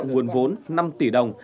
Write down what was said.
nguồn vốn năm tỷ đồng